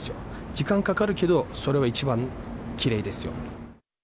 時間かかるけど、それが一番きれいですよ。